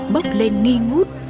bốc lên nghi ngút